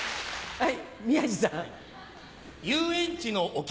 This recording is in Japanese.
はい。